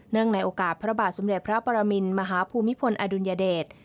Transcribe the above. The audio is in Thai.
ในโอกาสพระบาทสมเด็จพระปรมินมหาภูมิพลอดุลยเดช